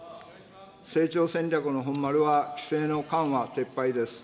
成長戦略の本丸は規制の緩和、撤廃です。